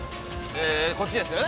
こっちですよね？